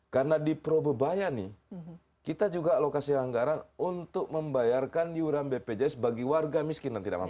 karena di pro bebaya nih kita juga alokasi anggaran untuk membayarkan yuran bpjs bagi warga miskin dan tidak mampu